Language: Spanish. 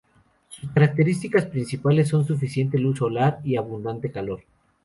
Sus características principales son suficiente luz solar y abundante calor.